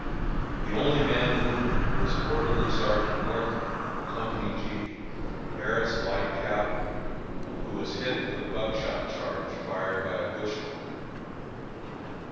The only man wounded was Orderly Sergeant Northrup, of Company G, Harris Light Cavalry, who was hit with a buckshot charge fired by a bushwhacker.